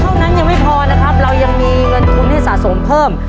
เท่านั้นยังไม่พอนะครับเรายังมีเงินทุนให้สะสมเพิ่ม